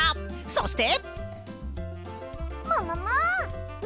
そして！